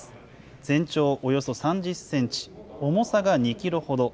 全長およそ３０センチ、重さが２キロほど。